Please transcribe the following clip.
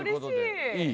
いい？